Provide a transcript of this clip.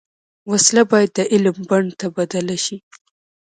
وسله باید د علم بڼ ته بدله شي